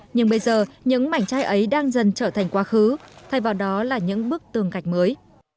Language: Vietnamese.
nhưng bây giờ những mảnh chai ấy đang dần trở thành quá khứ thay vào đó là những bức tường gạch mới